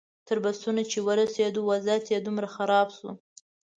تر بسونو چې ورسېدو وضعیت دومره خراب شو.